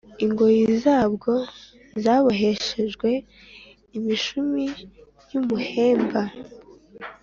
ingoyi zabwo zaboheshejwe imishumi y’umuhemba